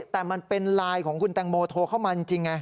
แต่มันเป็นไลน์ของคุณแตงโมโทรเข้ามาจริงไง